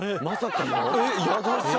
まさかの？